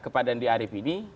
kepada andi arief ini